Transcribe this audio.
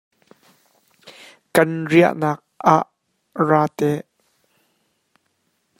Kan riahnak ah ra te.